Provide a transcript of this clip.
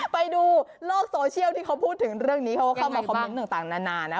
ไปดูโลกโซเชียลที่เขาพูดถึงเรื่องนี้เขาก็เข้ามาคอมเมนต์ต่างนานานะ